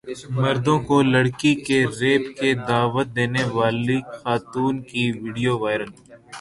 مردوں کو لڑکی کے ریپ کی دعوت دینے والی خاتون کی ویڈیو وائرل